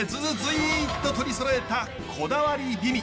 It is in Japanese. いっととりそろえたこだわり美味。